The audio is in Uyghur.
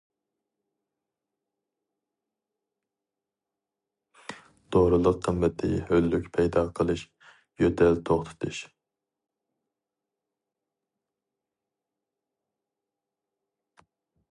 دورىلىق قىممىتى ھۆللۈك پەيدا قىلىش، يۆتەل توختىتىش.